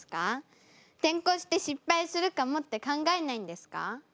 転向して失敗するかもって考えないんですか？